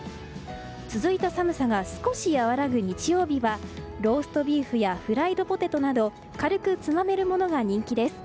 続いた寒さが少し和らぐ日曜日はローストビーフやフライドポテトなど軽くつまめるものが人気です。